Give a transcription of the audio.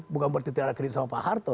bukan berarti tidak ada kritik sama pak harto